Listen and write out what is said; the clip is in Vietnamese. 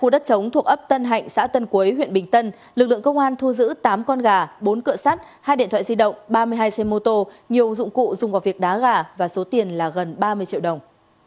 hai điện thoại di động ba mươi hai xe mô tô nhiều dụng cụ dùng vào việc đá gà và số tiền là gần ba mươi triệu đồng